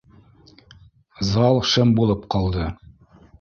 Зал шым булып ҡалды